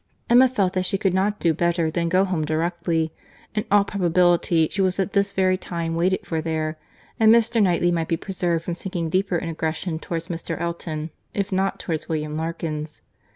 Emma felt that she could not do better than go home directly. In all probability she was at this very time waited for there; and Mr. Knightley might be preserved from sinking deeper in aggression towards Mr. Elton, if not towards William Larkins.